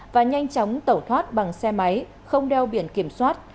và nhanh chóng tẩu thoát bằng xe máy không đeo biển kiểm soát